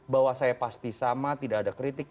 bahwa saya pasti sama tidak ada kritik